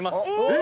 え！